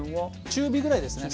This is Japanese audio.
中火ぐらいですね。